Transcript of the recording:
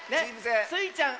スイちゃん